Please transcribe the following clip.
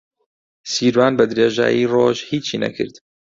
سیروان بەدرێژایی ڕۆژ هیچی نەکرد.